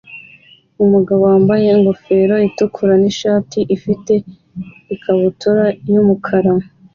Umugabo wambaye ingofero itukura nishati ifite ikabutura yumukara